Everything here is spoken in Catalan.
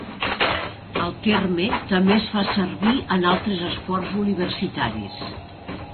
El terme també es fa servir en altres esports universitaris.